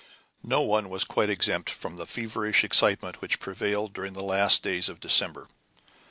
No one was quite exempt from the feverish excitement which prevailed during the last days of December.